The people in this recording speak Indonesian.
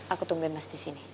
aku tungguin mas disini